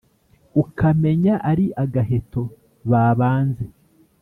ukamenya ari agaheto babanze!